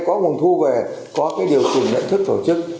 có nguồn thu về có điều kiện lệnh thức tổ chức